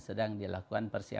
sedang dilakukan persiapan